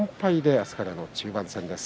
明日からの中盤戦です。